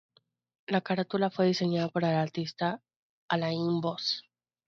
La carátula fue diseñada por el artista Alain Voss.